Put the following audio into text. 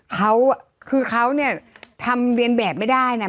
เขาคือเขาเนี่ยทำเรียนแบบไม่ได้นะ